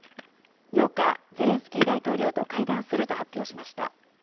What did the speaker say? ８日、ゼレンスキー大統領と会談すると発表しました。